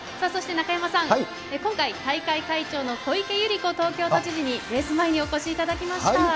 そして中山さん、今回、大会会長の小池百合子東京都知事に、レース前にお越しいただきました。